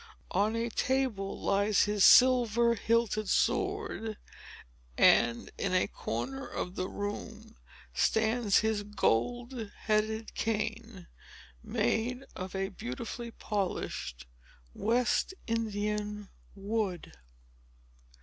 On a table lies his silver hilted sword, and in a corner of the room stands his gold headed cane, made of a beautifully polished West Indian wood.